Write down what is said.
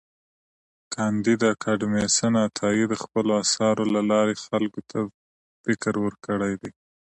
کانديد اکاډميسن عطايي د خپلو اثارو له لارې خلکو ته فکر ورکړی دی.